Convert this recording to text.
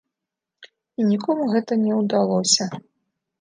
І нікому гэта не ўдалося.